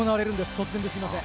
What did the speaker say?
突然ですみません。